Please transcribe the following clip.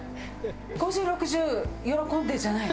「５０６０よろこんで」じゃない。